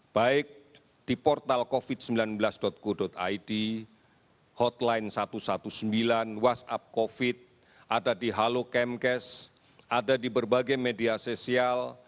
baik di portal covid sembilan belas go id hotline satu ratus sembilan belas whatsapp covid ada di halo kemkes ada di berbagai media sosial